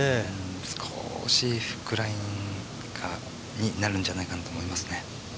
少し、フックラインになるんじゃないかなと思いますね。